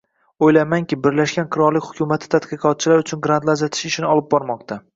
Oʻylaymanki, Birlashgan Qirollik hukumati tadqiqotchilar uchun grantlar ajratish ishini olib bormoqda.